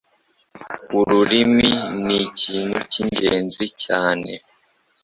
ururimi ni ikintu cy'ingenzi cyane.